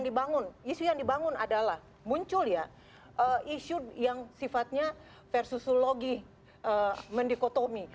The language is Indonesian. jadi gini isu yang dibangun adalah muncul ya isu yang sifatnya versusologi mendikotomi